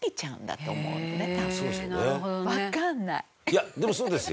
いやでもそうですよ。